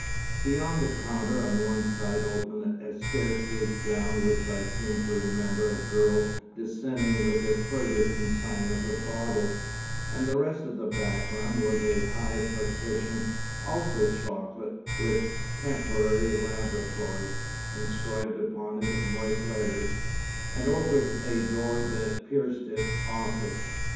Beyond the counter on one side opened a staircase down which I seem to remember a girl descending with a further consignment of bottles, and the rest of the background was a high partition, also chocolate, with "Temporary Laboratory" inscribed upon it in white letters, and over a door that pierced it, "Office."